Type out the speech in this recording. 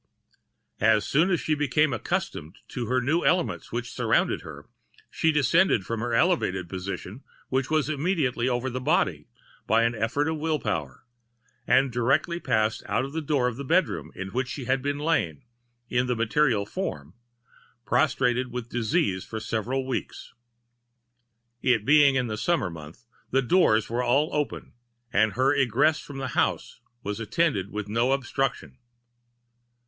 As soon as she became accustomed to her new elements which surrounded her, she descended from her elevated position, which was immediately over the body, by an effort of the will power, and directly passed out of the door of the bedroom in which she had lain, in the material form, prostrated with disease for several weeks. It being in a summer month, the doors were all open, and her egress from the house was attended with no obstruction.